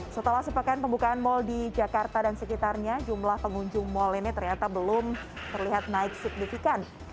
setelah sepekan pembukaan mal di jakarta dan sekitarnya jumlah pengunjung mal ini ternyata belum terlihat naik signifikan